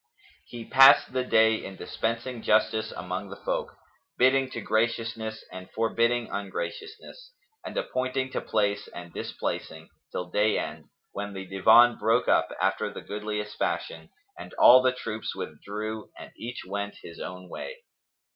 He passed the day in dispensing justice among the folk, bidding to graciousness and forbidding ungraciousness and appointing to place and displacing, till day end, when the Divan broke up, after the goodliest fashion, and all the troops withdrew and each went his own way.